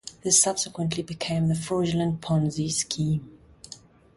This subsequently became the fraudulent Ponzi scheme.